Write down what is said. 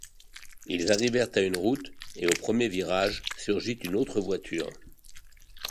Ils arrivèrent à une route, et au premier virage surgit une autre voiture.